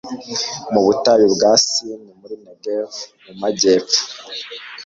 mu butayu bwa sini muri negevu, mu majyepfo